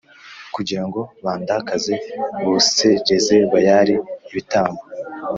kugira ngo bandakaze bosereza Bayali ibitambo